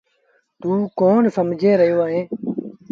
توٚنٚ ڪون سمجھي رهيو اهي